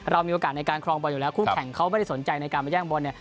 เรามีโอกาสในการครองบอลอยู่แล้วคู่แข่งเขาไม่ได้สนใจในการมาแย่งบอลเนี่ย